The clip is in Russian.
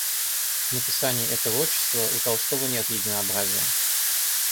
В написании этого отчества у Толстого нет единообразия.